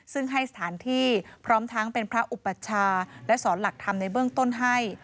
ซึ่งให้สถานที่พร้อมทั้งเป็นพระอุปัชชาและสอนหลักธรรมในเบื้องต้นให้